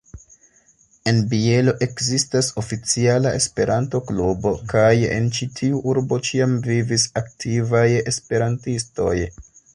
En Bielo ekzistas oficiala Esperanto-klubo, kaj en ĉi-tiu urbo ĉiam vivis aktivaj Esperantistoj.